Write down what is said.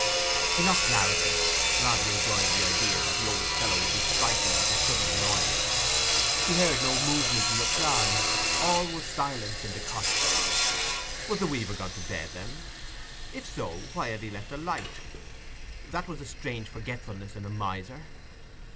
He knocked loudly, rather enjoying the idea that the old fellow would be frightened at the sudden noise. He heard no movement in reply: all was silence in the cottage. Was the weaver gone to bed, then? If so, why had he left a light? That was a strange forgetfulness in a miser.